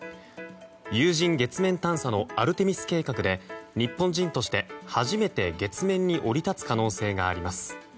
有人月面探査のアルテミス計画で日本人として初めて月面に降り立つ可能性があります。